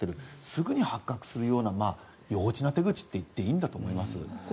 すぐに発覚するような幼稚な手口といっていいと思います。